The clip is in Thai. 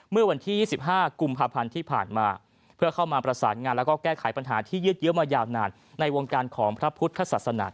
เมื่อวันที่๒๕กุมภาพันธ์ที่ผ่านมาเพื่อเข้ามาประสานงานแล้วก็แก้ไขปัญหาที่ยืดเยอะมายาวนานในวงการของพระพุทธศาสนา